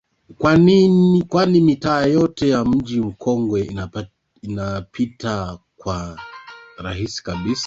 kwani mitaa yote ya Mji Mkongwe inapitika kwa urahisi kabisa